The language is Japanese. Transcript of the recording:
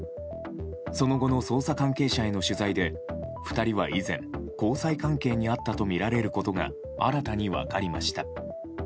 その後の捜査関係者への取材で２人は以前、交際関係にあったとみられることが新たに分かりました。